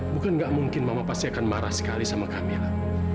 bukan gak mungkin mama pasti akan marah sekali sama kami lah